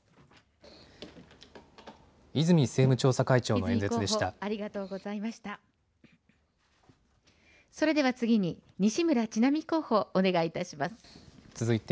泉政務調査会長の演説でした。